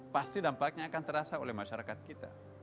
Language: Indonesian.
pasti dampaknya akan terasa oleh masyarakat kita